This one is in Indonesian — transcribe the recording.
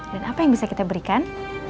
dan apa yang bisa kita berikan